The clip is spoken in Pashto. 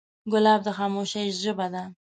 ګلاب د خاموشۍ ژبه ده.